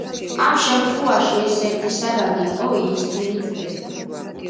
ამ შემთხვევაში ეს ერთი საგანი იყოს იისფერი წრე.